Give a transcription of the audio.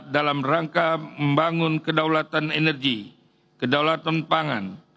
dalam rangka membangun kedaulatan energi kedaulatan pangan